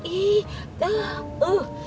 ih dah eh